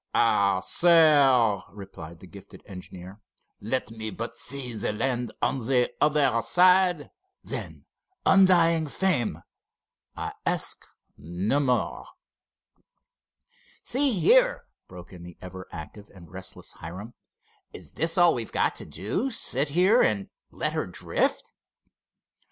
"Ah, sir," replied the gifted engineer, "let me but see the land on the other side—then, undying fame! I ask no more." "See here," broke in the ever active and restless Hiram, "is this all we've got to do—sit here and let her drift?"